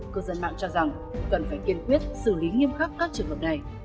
cư dân mạng cho rằng cần phải kiên quyết xử lý nghiêm khắc các trường hợp này